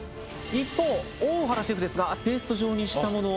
一方大原シェフですがペースト状にしたもの